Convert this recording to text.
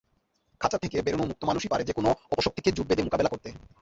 খাঁচা থেকে বেরোনো মুক্ত মানুষই পারে যেকোনো অপশক্তিকে জোট বেঁধে মোকাবিলা করতে।